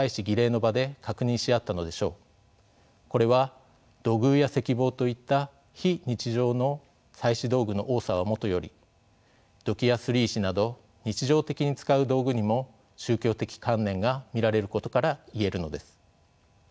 これは土偶や石棒といった非日常の祭祀道具の多さはもとより土器やすり石など日常的に使う道具にも宗教的観念が見られることから言えるのです。